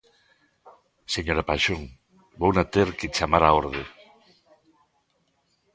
Señora Paxón, vouna ter que chamar á orde.